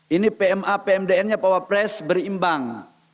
ini pma pmdnnya pak wapres berimbang